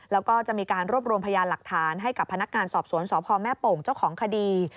แล้วก็จะมีการรวบรวมพยานหลักฐานให้กับพนักงานสอบสวนสพแม่โป่งเจ้าของคดี